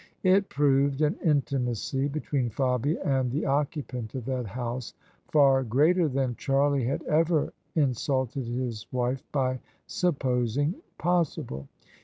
It proved an intimacy between Fabia and the occu pant of that house far greater than Charlie had ever insulted his wife by supposing possible.